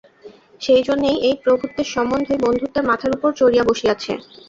সেইজন্যেই এই প্রভুত্বের সম্বন্ধই বন্ধুত্বের মাথার উপর চড়িয়া বসিয়াছে।